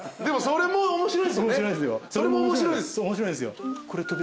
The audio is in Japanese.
それも面白いです。